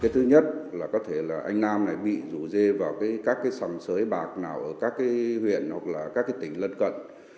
thứ nhất là có thể là anh nam bị rủ dê vào các sòng sới bạc nào ở các huyện hoặc là các tỉnh lân cận